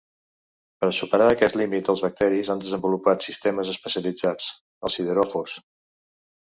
Per a superar aquest límit els bacteris han desenvolupat sistemes especialitzats, els sideròfors.